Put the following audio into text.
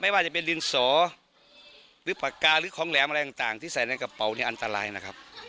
ว่าจะเป็นดินสอหรือปากกาหรือของแหลมอะไรต่างที่ใส่ในกระเป๋านี่อันตรายนะครับ